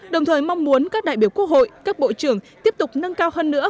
đồng thời mong muốn các đại biểu quốc hội các bộ trưởng tiếp tục nâng cao hơn nữa